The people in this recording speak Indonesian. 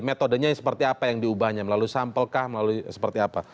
metodenya seperti apa yang diubahnya melalui sampel kah melalui seperti apa